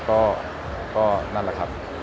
ก็นั่นแหละครับ